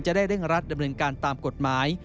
จะได้เรื่องรัฐดำเนินการตามกฎหมาย